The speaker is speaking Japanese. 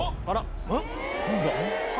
あら？